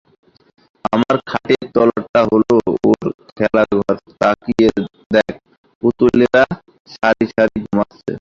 আমার খাটের তলাটা হল ওর খেলাঘর তাকিয়ে দাখ, পুতুলেরা সারিসারি ঘুমোচ্ছে!